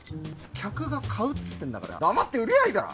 客が買うっつってんだからよう黙って売りゃいいだろ！